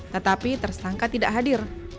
tetapi tersangka tidak hadir